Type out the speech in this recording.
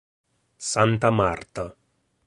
Santa Marta